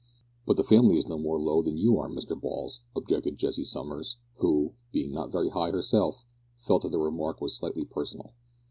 "But the family is no more low than you are, Mr Balls," objected Jessie Summers, who, being not very high herself, felt that the remark was slightly personal.